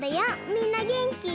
みんなげんき？